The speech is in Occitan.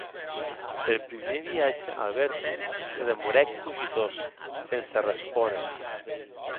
Per prumèr viatge Alberto se demorèc cogitós, sense respóner.